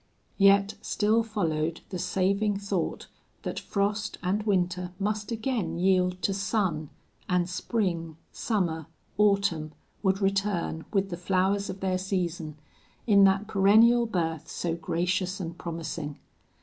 Yet still followed the saving thought that frost and winter must again yield to sun, and spring, summer, autumn would return with the flowers of their season, in that perennial birth so gracious and promising.